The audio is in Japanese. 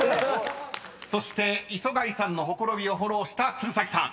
［そして磯貝さんの「綻び」をフォローした鶴崎さん］